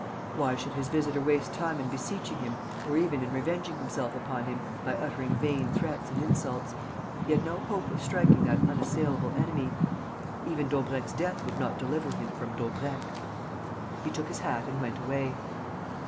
Why should his visitor waste time in beseeching him or even in revenging himself upon him by uttering vain threats and insults? He had no hope of striking that unassailable enemy. Even Daubrecq's death would not deliver him from Daubrecq. He took his hat and went away.